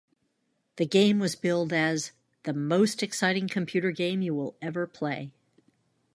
The game was billed as "the most exciting computer game you will ever play".